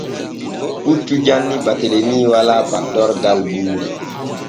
Puccu janni Baatelemi walaa paddorgal buuri.